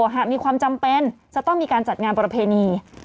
หากมีความจำเป็นจะต้องมีการจัดงานประเพณี